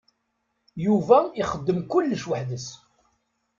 Yuba ixeddem kullec weḥd-s.